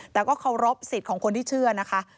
แต่ก็เคารพสิทธิ์ของคนที่เชื่อนะคะ